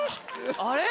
あれ？